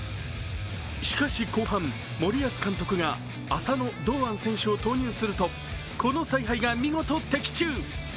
しかし後半、森保監督が浅野・堂安選手を投入するとこの采配が見事的中。